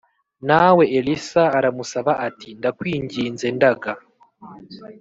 nawe Elisa aramusaba ati Ndakwinginze ndaga